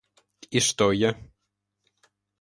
И что я?